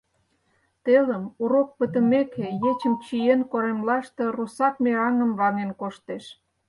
Телым, урок пытымеке, ечым чиен, коремлаште русак мераҥым ваҥен коштеш.